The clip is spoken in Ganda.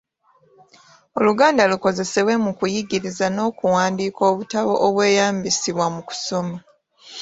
Oluganda lukozesebwe mu kuyigiriza n’okuwandiika obutabo obweyambisibwa mu kusoma.